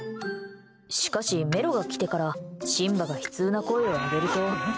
しかし、メロが来てからシンバが悲痛な声を上げると。